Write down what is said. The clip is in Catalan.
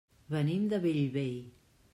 Venim de Bellvei.